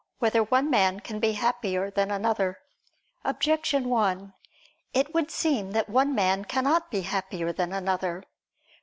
2] Whether One Man Can Be Happier Than Another? Objection 1: It would seem that one man cannot be happier than another.